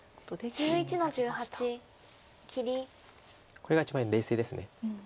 これが一番冷静です。